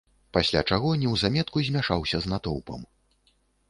Пасля чаго неўзаметку змяшаўся з натоўпам.